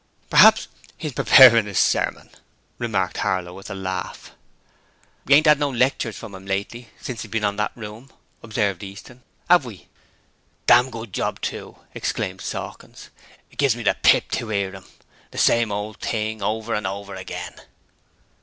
'P'raps 'e's preparing 'is sermon,' remarked Harlow with a laugh. 'We ain't 'ad no lectures from 'im lately, since 'e's been on that room,' observed Easton. ''Ave we?' 'Dam good job too!' exclaimed Sawkins. 'It gives me the pip to 'ear 'im, the same old thing over and over again.'